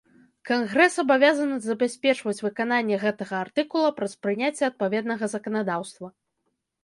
Кангрэс абавязаны забяспечваць выкананне гэтага артыкула праз прыняцце адпаведнага заканадаўства.